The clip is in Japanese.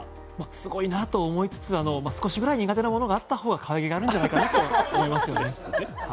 すごいなと思いつつ少しぐらい苦手なものがあったほうが可愛げがあるんじゃないかなと思いました。